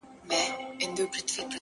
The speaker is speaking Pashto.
خدايه ښه نـری بـاران پرې وكړې نن.